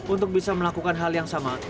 untuk bisa melakukan hal yang sama